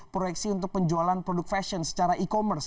proyeksi untuk penjualan produk fashion secara e commerce